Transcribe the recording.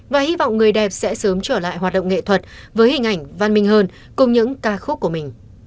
và hy vọng người đẹp sẽ sớm trở lại hoạt động nghệ thuật với hình ảnh văn minh hơn cùng những ca khúc của mình